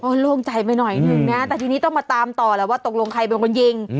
โล่งใจไปหน่อยหนึ่งนะแต่ทีนี้ต้องมาตามต่อแล้วว่าตกลงใครเป็นคนยิง